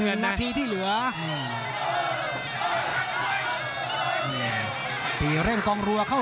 ภูตวรรณสิทธิ์บุญมีน้ำเงิน